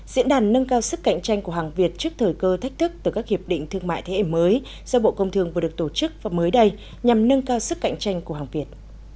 diễn đàn nâng cao sức cạnh tranh của hàng việt trước thời cơ thách thức từ các hiệp định thương mại thế hệ mới do bộ công thương vừa được tổ chức và mới đây nhằm nâng cao sức cạnh tranh của hàng việt